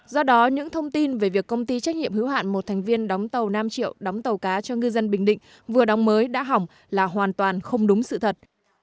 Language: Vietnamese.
do đó những thông tin về việc công ty trách nhiệm hữu hạn một thành viên đóng tàu nam triệu đóng tàu cá cho ngư dân bình định vừa đóng mới đã hỏng là hoàn toàn không đúng sự thật